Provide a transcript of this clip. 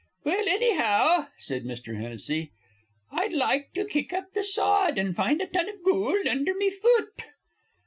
"Well, annyhow," said Mr. Hennessy, "I'd like to kick up th' sod, an' find a ton iv goold undher me fut."